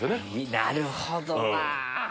なるほどなぁ。